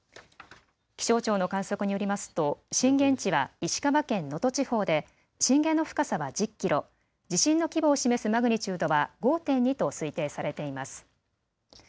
気象庁の観測によりますと震源地は石川県能登地方で震源の深さは１０キロ、地震の規模を示すマグニチュードは５．２と推定されています。